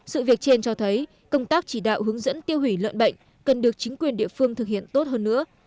sự việc trên cho thấy công tác chỉ đạo hướng dẫn tiêu hủy lợn bệnh cần được chính quyền địa phương thực hiện tốt hơn nữa